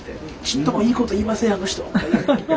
「ちっともいいこと言いませんあの人！」。